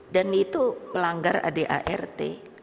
dan itu melanggar adart